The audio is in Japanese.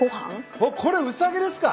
あっこれウサギですか！